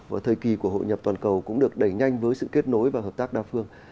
và thời kỳ của hội nhập toàn cầu cũng được đẩy nhanh với sự kết nối và hợp tác đa phương